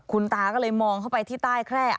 คุณตาก็เลยมองเข้าไปที่ใต้แคร่